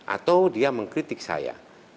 atau dia mengkritik saya